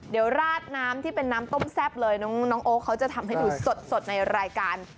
เดี๋ยวราดน้ำที่เป็นน้ำต้มแซ่บเลยน้องโอ๊คเขาจะทำให้ดูสดในรายการ